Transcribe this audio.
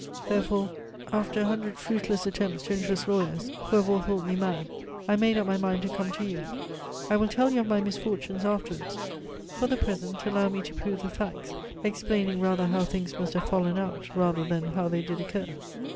Therefore, after a hundred fruitless attempts to interest lawyers, who have all thought me mad, I made up my mind to come to you. I will tell you of my misfortunes afterwards; for the present, allow me to prove the facts, explaining rather how things must have fallen out rather than how they did occur.